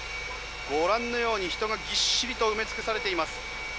ご覧のように人がぎっしりと埋め尽くされています。